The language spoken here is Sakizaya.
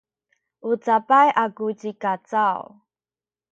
u cabay aku ci Kacaw.